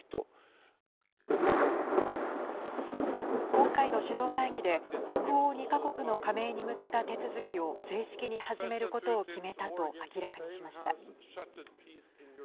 今回の首脳会議で北欧２か国の加盟に向けた手続きを正式に始めることを決めたと明らかにしました。